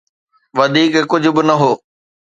وڌيڪ ڪجهه به نه هو.